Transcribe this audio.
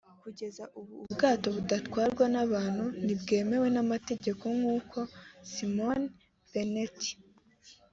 Kugeza ubu ubwato budatwarwa n’abantu ntibwemewe n’amategeko nk’uko Simon Bennett